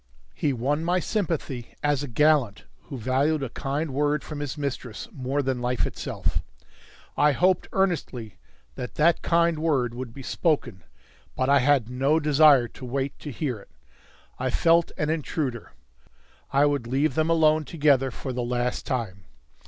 He won my sympathy as a gallant who valued a kind word from his mistress more than life itself. I hoped earnestly that that kind word would be spoken. But I had no desire to wait to hear it. I felt an intruder. I would leave them alone together for the last time.